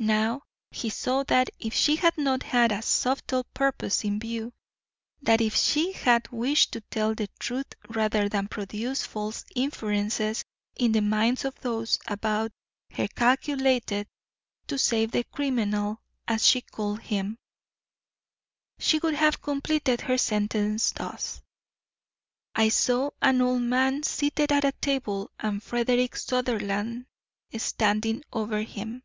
Now he saw that if she had not had a subtle purpose in view, that if she had wished to tell the truth rather than produce false inferences in the minds of those about her calculated to save the criminal as she called him, she would have completed her sentence thus: "I saw an old man seated at a table and Frederick Sutherland standing over him."